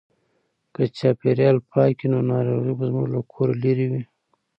که چاپیریال پاک وي نو ناروغۍ به زموږ له کوره لیري وي.